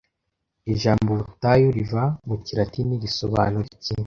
Ijambo Ubutayu riva mu kilatini risobanura iki